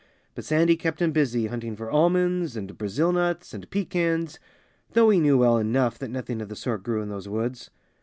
But Sandy kept him busy hunting for almonds and Brazil nuts and pecans, though he knew well enough that nothing of the sort grew in those woods.